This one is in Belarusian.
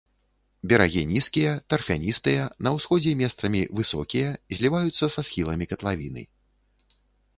Берагі нізкія, тарфяністыя, на ўсходзе месцамі высокія, зліваюцца са схіламі катлавіны.